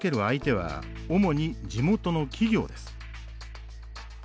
相手は主に地元の企業です。